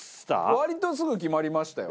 割とすぐ決まりましたよ。